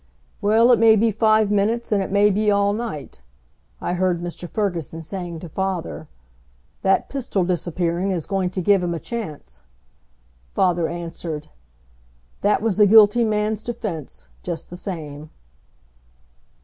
"Well, it may be five minutes, and it may be all night," I heard Mr. Ferguson saying to father. "That pistol disappearing is going to give him a chance." Father answered, "That was a guilty man's defense, just the same."